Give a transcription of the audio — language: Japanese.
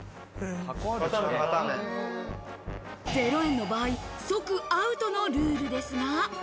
０円の場合、即アウトのルールですが。